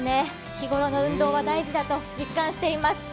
日頃の運動は大事だと実感しています。